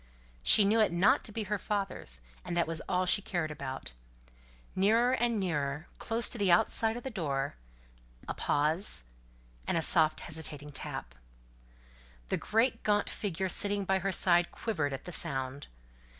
She knew it not to be her father's, and that was all she cared about. Nearer and nearer close to the outside of the door a pause, and a soft hesitating tap. The great gaunt figure sitting by her side quivered at the sound.